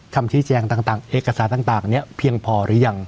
คำชี้แจงต่างเอกสารต่างนี้เพียงพอหรือยัง